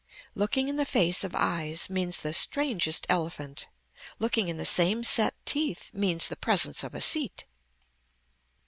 Looking in the face of eyes means the strangest elephant. Looking in the same set teeth means the presence of a seat.